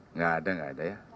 enggak ada enggak ada ya